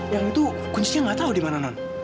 yang itu kuncinya gak tau dimana non